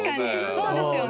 そうですよね。